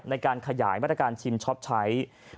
ในการขยายมาตรการชิมช็อปใช้